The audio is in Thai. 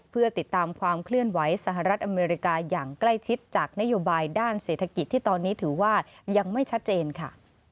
เพื่อติดตามความเคลื่อนไหวสหรัฐอเมริกาอย่างใกล้ชิดจากนโยบายด้านเศรษฐกิจที่ตอนนี้ถือว่ายังไม่ชัดเจนค่ะ